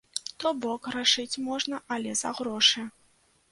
То-бок грашыць можна, але за грошы.